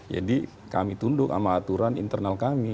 jadi kami tunduk sama aturan internal kami